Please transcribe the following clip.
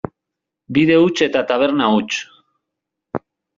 Bide huts eta taberna huts.